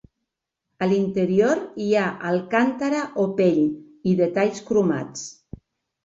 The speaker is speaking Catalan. A l'interior hi ha Alcantara o pell, i detalls cromats.